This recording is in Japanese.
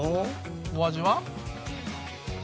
お味は？